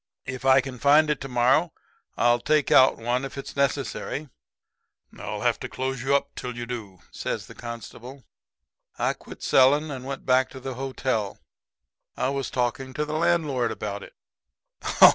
If I can find it to morrow I'll take one out if it's necessary.' "'I'll have to close you up till you do,' says the constable. "I quit selling and went back to the hotel. I was talking to the landlord about it.